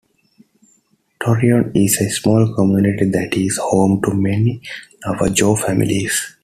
Torreon is a small community that is home to many Navajo families.